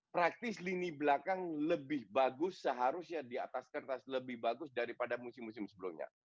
praktis lini belakang lebih bagus seharusnya di atas kertas lebih bagus daripada musim musim sebelumnya